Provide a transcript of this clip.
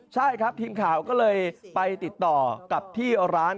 ใช่ครับทีมข่าวก็เลยไปติดต่อกับที่ร้าน